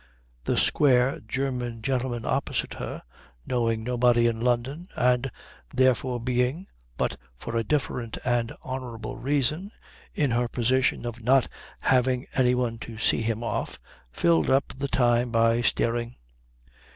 The square German gentleman opposite her, knowing nobody in London and therefore being, but for a different and honourable reason, in her position of not having any one to see him off, filled up the time by staring.